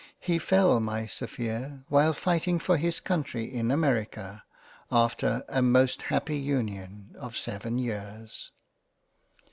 He fell my Sophia, while fighting for his Country in America after a most happy Union of seven years —